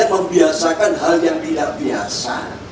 membiasakan hal yang tidak biasa